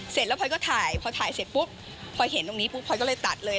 เสร็จแล้วพลอยก็ถ่ายพอถ่ายเสร็จปุ๊บพอเห็นตรงนี้ปุ๊บพลอยก็เลยตัดเลย